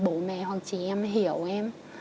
bố mẹ hoặc chị em hiểu em